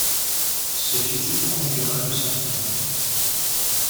Ce physique conduira le sentiment.